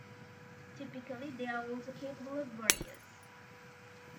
Typically, they are also capable warriors.